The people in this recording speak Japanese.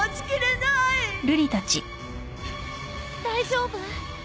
大丈夫？